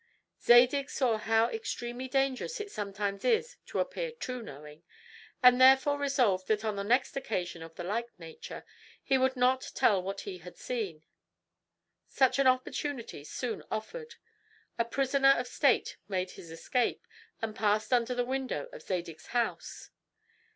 Zadig saw how extremely dangerous it sometimes is to appear too knowing, and therefore resolved that on the next occasion of the like nature he would not tell what he had seen. Such an opportunity soon offered. A prisoner of state made his escape, and passed under the window of Zadig's house.